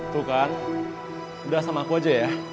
tuh kan udah sama aku aja ya